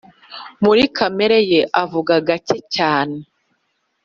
Muri kamereye avuga gake cyane